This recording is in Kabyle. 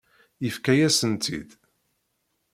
Yefka-yasen-tt-id.